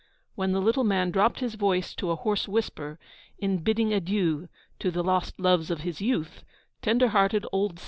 When the little man dropped his voice to a hoarse whisper, in bidding adieu to the lost loves of his youth, tender hearted old C.